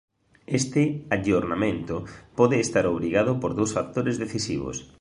Este aggiornamento pode estar obrigado por dous factores decisivos: